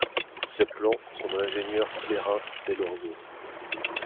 Ses plans sont de l'ingénieur Clairin Deslauriers.